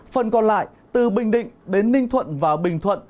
phần còn lại từ bình định đến ninh thuận và bình thuận